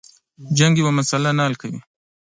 جنگ یوه مسله نه حل کوي.